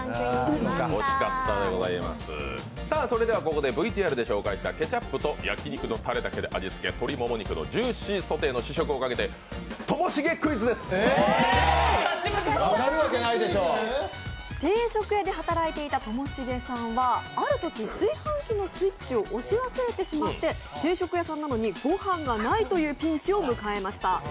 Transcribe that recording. ここでＶＴＲで紹介したケチャップと焼き肉のたれだけで味つけ、鶏もも肉のジューシーソテーをかけて定食屋で働いていたともしげさんはあるとき、炊飯器のスイッチを押し忘れてしまって定食屋さんなのに、御飯がないというピンチを迎えました。